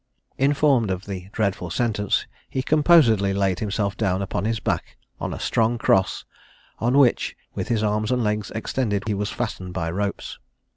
Informed of the dreadful sentence, he composedly laid himself down upon his back on a strong cross, on which, with his arms and legs extended, he was fastened by ropes.